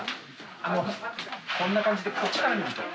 あのこんな感じでこっちから見ると。